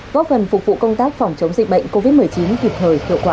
góp phần phục vụ công tác phòng chống dịch bệnh covid một mươi chín kịp thời hiệu quả